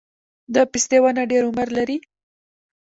د پستې ونه ډیر عمر لري؟